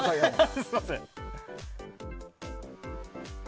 すみません。